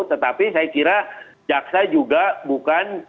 tetapi saya kira jaksa juga bukan